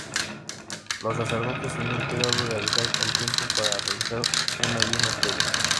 Los sacerdotes tenían cuidado de avisar con tiempo para realizar un ayuno previo.